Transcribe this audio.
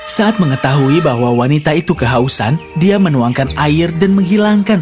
saat mengetahui bahwa wanita itu kehausan dia menuangkan air dan menghilangkan